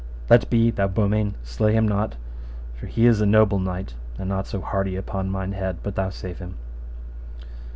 Let be, thou Beaumains, slay him not, for he is a noble knight, and not so hardy, upon thine head, but thou save him.